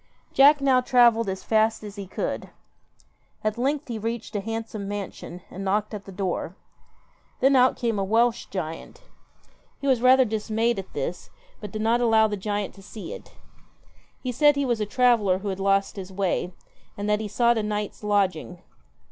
Jack now travelled as fast as he could. At length he reached a handsome mansion and knocked at the door. Then out came a Welsh giant. He was rather dismayed at this, but did not allow the giant to see it. He said he was a traveller who had lost his way, and that he sought a night's lodging.